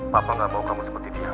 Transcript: papa gak mau kamu seperti dia